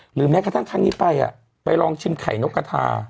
หรือแม้กระทั่งทางนี้ไปอ่ะไปลองชิมไข่นกกะทา